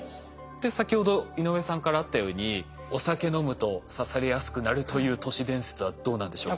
先ほど井上さんからあったようにお酒飲むと刺されやすくなるという都市伝説はどうなんでしょうか？